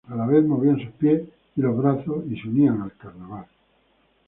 A la vez movían sus pies y los brazos y se unían al carnaval.